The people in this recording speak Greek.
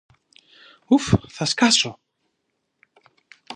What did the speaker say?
Ουφ, θα σκάσω!